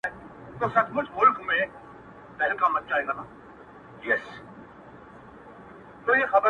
د هر چا په زړه کي اوسم بېګانه یم؛